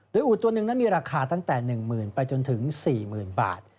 โดยอูดตัวหนึ่งนั้นมีราคาตั้งแต่๑๐๐๐ไปจนถึง๔๐๐๐บาท